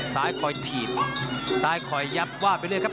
ซ้ายคอยถีบซ้ายคอยยับว่าไปเรื่อยครับ